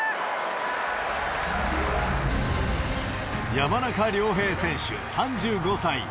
山中亮平選手３５歳。